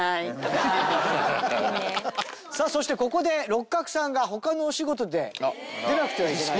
さあそしてここで六角さんが他のお仕事で出なくてはいけない。